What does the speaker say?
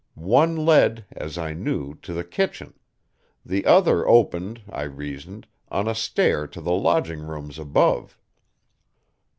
One led, as I knew, to the kitchen; the other opened, I reasoned, on a stair to the lodging rooms above.